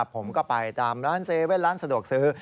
ผมก็ไปตามร้าน๗๑๑ร้านสะดวกซื้อ